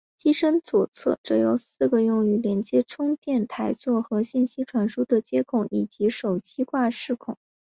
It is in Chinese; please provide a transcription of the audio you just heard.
机身左侧则有四个用于连接充电台座和信息传输的接孔以及手机挂饰孔。